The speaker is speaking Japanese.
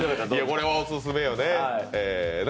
これはオススメよね。